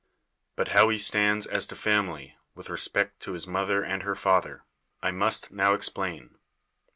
But how he stands as to family, with respect to his mother and her father, I must now explain.